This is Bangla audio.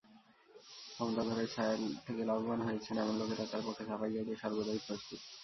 ক্ষমতাধরের ছায়ায় থেকে লাভবান হয়েছেন, এমন লোকেরা তাঁর পক্ষে সাফাই গাইতে সর্বদাই প্রস্তুত।